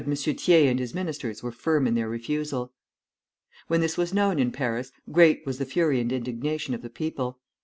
Thiers and his ministers were firm in their refusal. When this was known in Paris, great was the fury and indignation of the people.